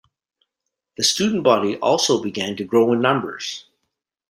The student body also began to grow in numbers.